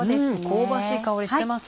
香ばしい香りしてますね。